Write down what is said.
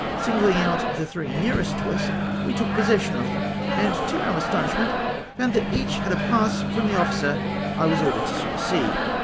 Singling out the three nearest to us, we took possession of them, and to our astonishment found that each had a pass from the officer I was ordered to supersede